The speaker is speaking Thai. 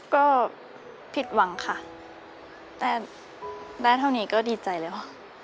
ก็ผิดหวังค่ะแต่ได้เท่านี้ก็ดีใจแล้ว